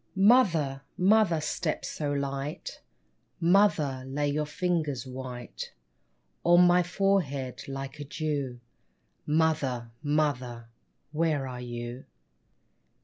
Mother, mother, step so light, Mother, lay your fingers white On my forehead like a dew ! Mother, mother, where are you